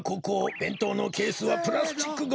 べんとうのケースはプラスチックゴミね。